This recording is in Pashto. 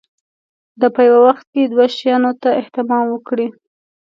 دا په یوه وخت کې دوو شیانو ته اهتمام وکړي.